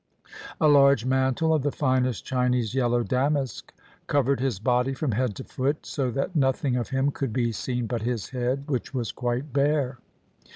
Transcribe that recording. A large mantle of the finest Chinese yellow damask covered his body from head to foot, so that nothing of him could be seen but his head, which was quite bare.